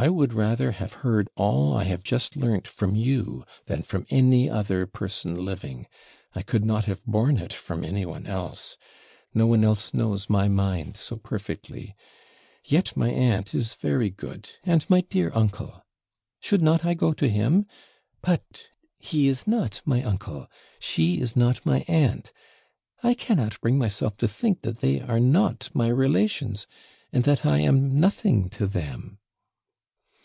I would rather have heard all I have just learnt from you than from any other person living. I could not have borne it from any one else. No one else knows my mind so perfectly yet my aunt is very good, and my dear uncle! should not I go to him? But he is not my uncle, she is not my aunt. I cannot bring myself to think that they are not my relations, and that I am nothing to them.'